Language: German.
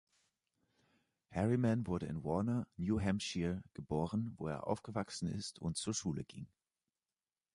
Harriman wurde in Warner, New Hampshire, geboren, wo er aufgewachsen ist und zur Schule ging.